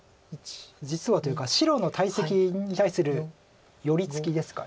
実はというか白の大石に対する寄り付きですか。